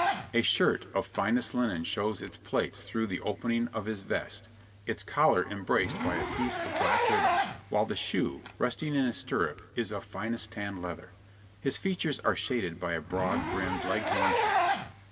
A shirt of finest linen shows its plaits through the opening of his vest its collar embraced by a piece of black ribbon; while the shoe, resting in his stirrup, is of finest tanned leather. His features are shaded by a broad brimmed Leghorn hat.